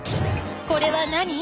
これは何？